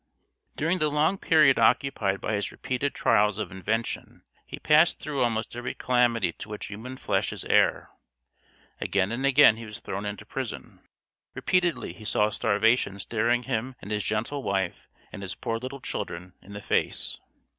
During the long period occupied by his repeated trials of invention he passed through almost every calamity to which human flesh is heir. Again and again he was thrown into prison. Repeatedly he saw starvation staring him and his gentle wife and his poor little children in the face.